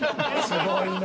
すごいなあ。